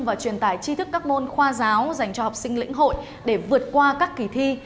và truyền tải chi thức các môn khoa giáo dành cho học sinh lĩnh hội để vượt qua các kỳ thi